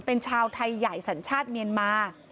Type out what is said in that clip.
เป็นชาวไทยใหญ่สัญชาติเมียนมา